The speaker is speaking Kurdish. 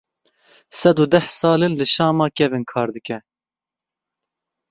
Sed û deh sal in li Şama kevin kar dike.